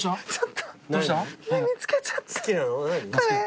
見つけちゃったこれ。